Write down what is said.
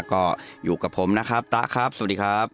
ก็อยู่กับผมนะครับตะครับสวัสดีครับ